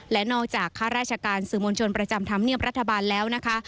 และนอกจากข้าราชการสื่อมวลชนประจำธรรมเนียมรัฐบาลแล้วนะคะ